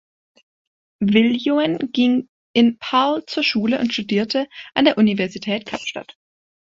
Viljoen ging in Paarl zur Schule und studierte an der Universität Kapstadt.